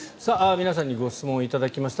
皆さんにご質問を頂きました。